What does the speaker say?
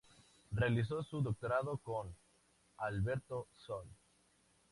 Realizó su doctorado con Alberto Sols.